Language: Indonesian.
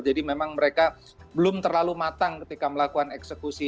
jadi memang mereka belum terlalu matang ketika melakukan eksekusi